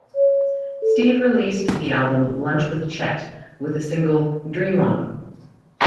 Steve released the album "Lunch With Chet" with the single "Dream On".